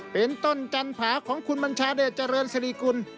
เป็นต้นจันผาของคุณบัญชาเดชเจริญสรีกุล